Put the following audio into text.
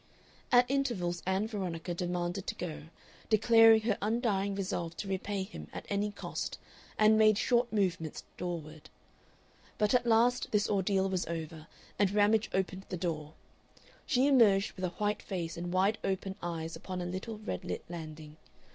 At intervals Ann Veronica demanded to go, declaring her undying resolve to repay him at any cost, and made short movements doorward. But at last this ordeal was over, and Ramage opened the door. She emerged with a white face and wide open eyes upon a little, red lit landing.